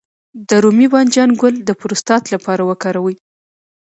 د رومي بانجان ګل د پروستات لپاره وکاروئ